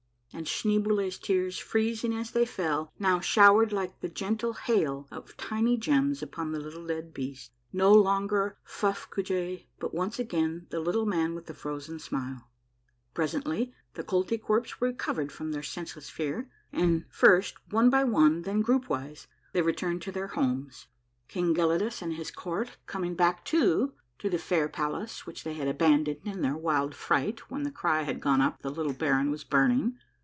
And Schneeboule's tears, freezing as they fell, now showered like a gentle hail of tiny gems upon the little dead beast, no longer Fufifcoojali, but once again the Little Man with the Frozen Smile. Presently the Koltykwerps recovered from their sense less fear, and fii*st one by one, and then group wise, they returned 196 A MARVELLOUS UNDERGROUND JOURNEY to their homes, King Geliclus and his court coming back too, to the fair palace which they had abandoned in their wild fright when the cry had gone up that the little baron was burning.